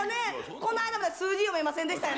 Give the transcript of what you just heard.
この間まで数字読めませんでしたよ。